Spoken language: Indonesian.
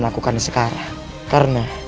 kau sudah menguasai ilmu karang